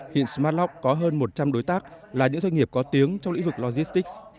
hiện smartlock có hơn một trăm linh đối tác là những doanh nghiệp có tiếng trong lĩnh vực logistics